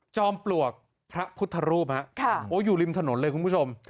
ปลวกพระพุทธรูปอยู่ริมถนนเลยคุณผู้ชม